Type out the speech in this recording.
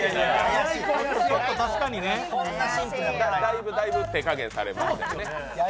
だいぶ、だいぶ手加減されていますね。